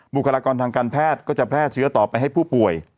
บุคลากรทางการแพทย์ก็จะแพร่เชื้อต่อไปให้ผู้ป่วย